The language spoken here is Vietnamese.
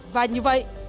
và như vậy